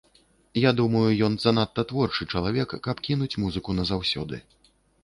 Я думаю, ён занадта творчы чалавек, каб кінуць музыку назаўсёды.